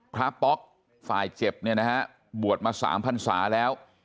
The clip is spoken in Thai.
พระป๊อกฝ่ายเจ็บบวชมา๓พันศาแล้ว